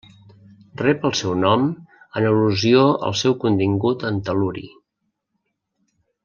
Rep el seu nom en al·lusió al seu contingut en tel·luri.